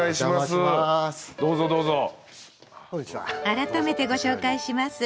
改めてご紹介します。